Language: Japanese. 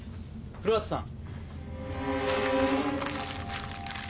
古畑さん。